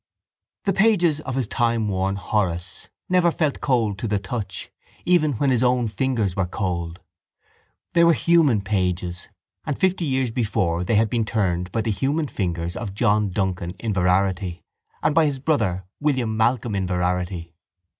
The pages of his timeworn Horace never felt cold to the touch even when his own fingers were cold; they were human pages and fifty years before they had been turned by the human fingers of John Duncan Inverarity and by his brother, William Malcolm Inverarity.